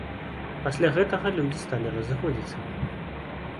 Пасля гэтага людзі сталі разыходзіцца.